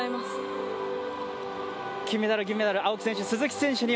金メダル、銀メダル、鈴木選手、青木選手に